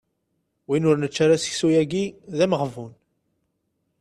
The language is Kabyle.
Win ur nečči ara seksu-yagi d ameɣbun.